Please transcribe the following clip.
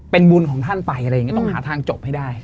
เป็นบุญของท่านไปอะไรอย่างนี้ต้องหาทางจบให้ได้